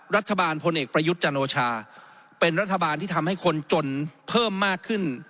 พลเอกประยุทธ์จันโอชาเป็นรัฐบาลที่ทำให้คนจนเพิ่มมากขึ้น